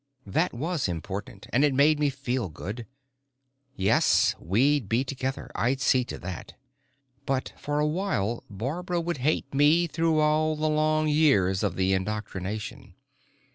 That was important and it made me feel good. Yes, we'd be together; I'd see to that. But for a while Barbara would hate me through all the long years of the indoctrination.